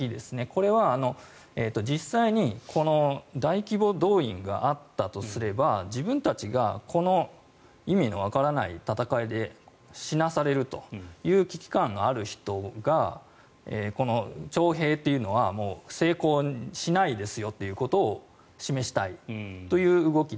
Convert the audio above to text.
これは実際にこの大規模動員があったとすれば自分たちがこの意味のわからない戦いで死なされるという危機感がある人がこの徴兵というのは成功しないですよということを示したいという動き。